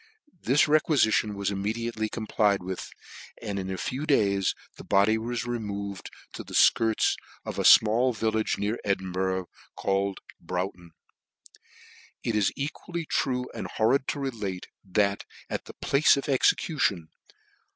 This requifition was immediately complied with, and in a few days the body was removed to the fkirts of a fmall village near Edinburgh, named Broughton. It is equally true and horrid to relate, that, at |he p^ce of execution.